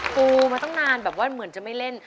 ปูมาตั้งนานแบบว่าเหมือนจะไม่เล่น